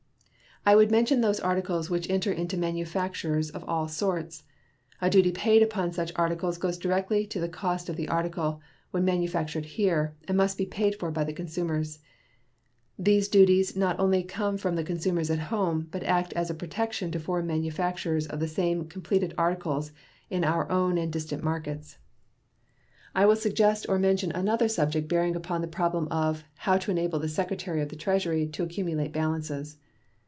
I would mention those articles which enter into manufactures of all sorts. All duty paid upon such articles goes directly to the cost of the article when manufactured here, and must be paid for by the consumers. These duties not only come from the consumers at home, but act as a protection to foreign manufacturers of the same completed articles in our own and distant markets. I will suggest or mention another subject bearing upon the problem of "how to enable the Secretary of the Treasury to accumulate balances."